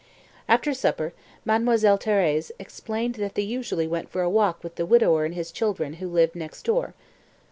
After supper, Mademoiselle Thérèse explained that they usually went for a walk with the widower and his children who lived next door.